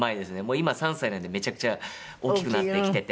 今３歳なんでめちゃくちゃ大きくなってきてて。